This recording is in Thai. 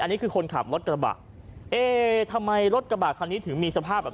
อันนี้คือคนขับรถกระบะเอ๊ทำไมรถกระบะคันนี้ถึงมีสภาพแบบ